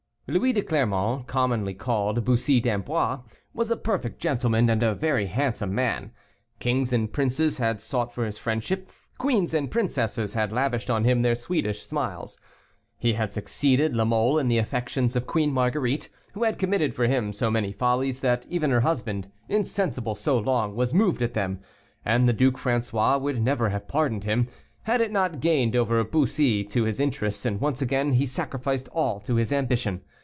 Louis de Clermont, commonly called Bussy d'Amboise, was a perfect gentleman, and a very handsome man. Kings and princes had sought for his friendship; queens and princesses had lavished on him their sweetest smiles. He had succeeded La Mole in the affections of Queen Marguerite, who had committed for him so many follies, that even her husband, insensible so long, was moved at them; and the Duke François would never have pardoned him, had it not gained over Bussy to his interests, and once again he sacrificed all to his ambition.